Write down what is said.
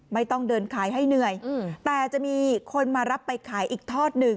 ไม่ต้องเดินขายให้เหนื่อยแต่จะมีคนมารับไปขายอีกทอดหนึ่ง